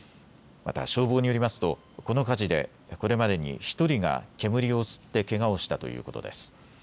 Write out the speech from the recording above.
また消防によりますとこの火事でこれまでに１人が煙を吸ってけがをしたということです。